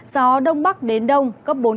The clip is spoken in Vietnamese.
gió đông bắc đến đông cấp bốn năm